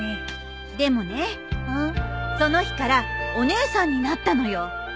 でもねその日からお姉さんになったのよ。